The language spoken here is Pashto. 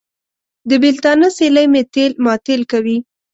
د بېلتانه سیلۍ مې تېل ماټېل کوي.